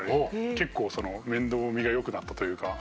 結構面倒見が良くなったというか。